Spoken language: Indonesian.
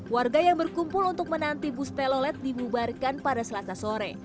warga yang berkumpul untuk menanti bus telolet dibubarkan pada selasa sore